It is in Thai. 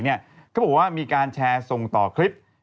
เขาบอกว่ามีการแชร์ส่งต่อคลิป